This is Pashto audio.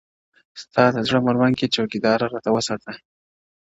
ستا د زړه مړوند كي چــوكـــيـــــدار راته وســـــاتـــــه،